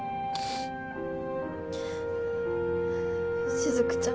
しずくちゃん。